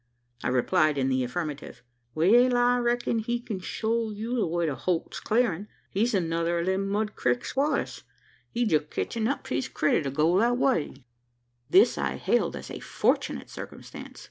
I replied in the affirmative. "Wal, I reckon he kin show you the way to Holt's Clearin'. He's another o' them Mud Crik squatters. He's just catchin' up his critter to go that way." This I hailed as a fortunate circumstance.